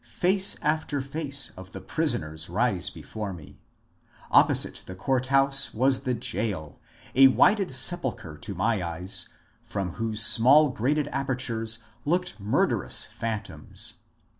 Face after face of the prisoners rise before me. Opposite the court house was the gaol, a whited sepulchre to my eyes, from whose small grated apertures looked murderous phantoms.